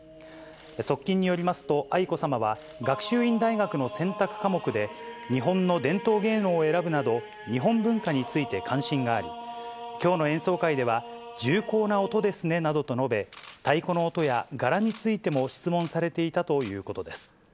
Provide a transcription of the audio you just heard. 側近によりますと、愛子さまは学習院大学の選択科目で日本の伝統芸能を選ぶなど、日本文化について関心があり、きょうの演奏会では、重厚な音ですねなどと述べ、太鼓の音や柄についても質問されていたということです。